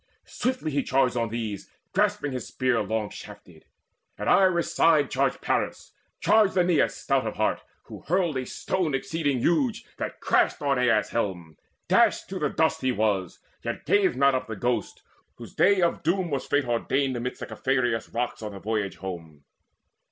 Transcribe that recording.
Swiftly he charged on these Grasping his spear long shafted: at Iris side Charged Paris, charged Aeneas stout of heart, Who hurled a stone exceeding huge, that crashed On Aias' helmet: dashed to the dust he was, Yet gave not up the ghost, whose day of doom Was fate ordained amidst Caphaerus' rocks On the home voyage.